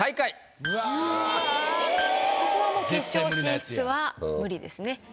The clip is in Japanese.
ここはもう決勝進出は無理です。